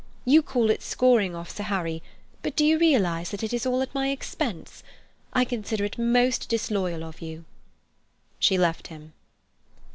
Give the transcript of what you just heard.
You call it scoring off Sir Harry, but do you realize that it is all at my expense? I consider it most disloyal of you." She left him.